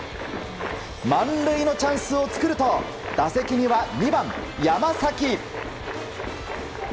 満塁のチャンスを作ると打席には２番、山崎。